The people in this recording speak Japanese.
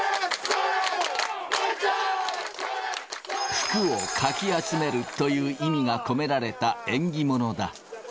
福をかき集めるという意味が込められた縁起物だ。